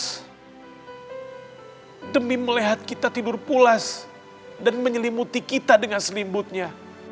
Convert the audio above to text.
ibu yang remi melihat kita tidur pulas dan menyelimuti kita dengan selimutnya